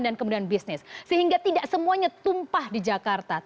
dan kemudian bisnis sehingga tidak semuanya tumpah di jakarta